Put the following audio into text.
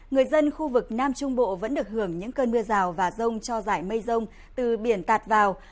người dân khu vực nam trung bộ vẫn được hưởng những cơn mưa rào và rông cho giải mây rông từ biển tạt vào